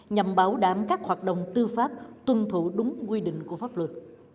nhằm bảo đảm các hoạt động tư pháp tuân thủ đúng quy định của pháp luật